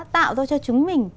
tạo ra cho chúng mình